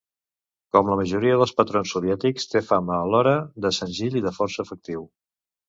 Com la majoria dels patrons soviètics, té fama alhora de senzill i de força efectiu.